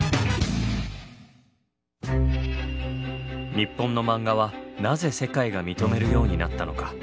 日本のマンガはなぜ世界が認めるようになったのか？